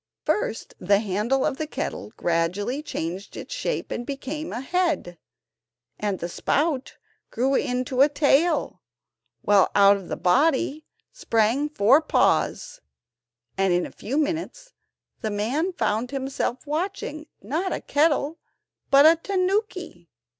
First the handle of the kettle gradually changed its shape and became a head, and the spout grew into a tail, while out of the body sprang four paws, and in a few minutes the man found himself watching, not a kettle, but a tanuki!